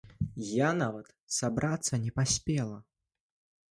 Я нават сабрацца не паспела.